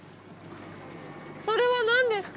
それは何ですか？